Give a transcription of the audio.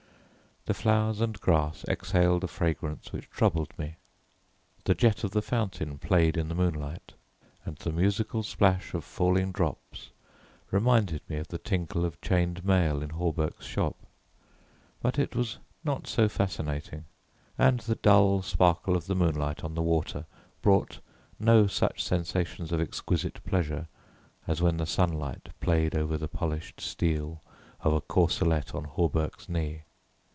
The flowers and grass exhaled a fragrance which troubled me. The jet of the fountain played in the moonlight, and the musical splash of falling drops reminded me of the tinkle of chained mail in Hawberk's shop. But it was not so fascinating, and the dull sparkle of the moonlight on the water brought no such sensations of exquisite pleasure, as when the sunshine played over the polished steel of a corselet on Hawberk's knee.